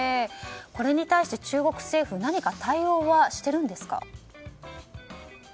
これに対して中国政府は何か対応はしているんですか？